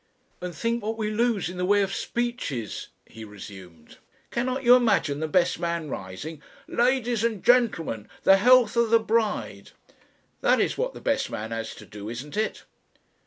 "And think what we lose in the way of speeches," he resumed. "Cannot you imagine the best man rising: 'Ladies and gentlemen the health of the bride.' That is what the best man has to do, isn't it?"